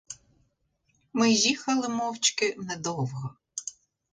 Ми їхали мовчки недовго.